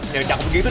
yang jago begitu